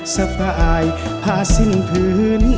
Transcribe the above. สบายผ่าสิ้นผืน